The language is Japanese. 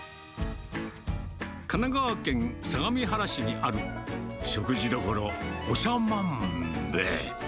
神奈川県相模原市にある、食事処おしゃまんべ。